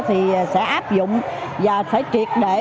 thì sẽ áp dụng và phải triệt để